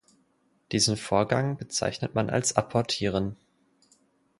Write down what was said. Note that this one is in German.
Diesen Vorgang bezeichnet man als Apportieren.